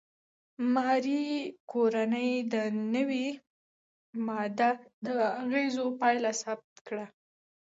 ماري کوري د نوې ماده د اغېزو پایله ثبت کړه.